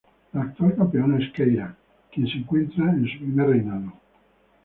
La actual campeona es Keira, quien se encuentra en su primer reinado.